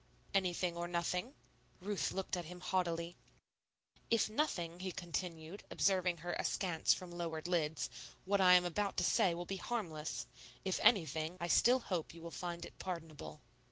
"Anything or nothing." Ruth looked at him haughtily. "If nothing," he continued, observing her askance from lowered lids, "what I am about to say will be harmless. If anything, I still hope you will find it pardonable."